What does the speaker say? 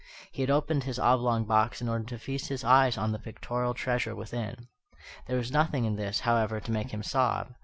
He had opened his oblong box in order to feast his eyes on the pictorial treasure within. There was nothing in this, however, to make him sob.